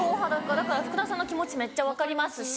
だから福田さんの気持ちめっちゃ分かりますし。